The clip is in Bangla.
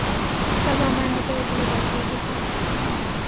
বাবা আমার হাতে হোটেলের দায়িত্ব দিতে চেয়েছিল।